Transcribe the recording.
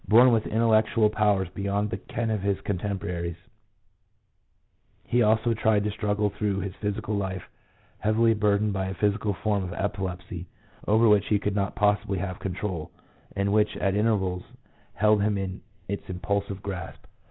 Born with intellectual powers beyond the ken of his contemporaries, he also tried to struggle through his physical life heavily burdened by a psychic form of epilepsy over which he could not possibly have control, and which at intervals held him in its impulsive grasp.